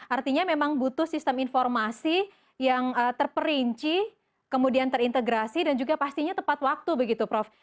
artinya memang butuh sistem informasi yang terperinci kemudian terintegrasi dan juga pastinya tepat waktu begitu prof